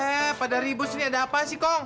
eh pada ribut sini ada apa sih kong